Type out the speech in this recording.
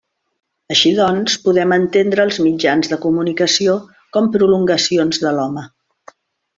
Així doncs, podem entendre els mitjans de comunicació com prolongacions de l’home.